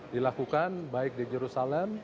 dilakukan baik di jerusalem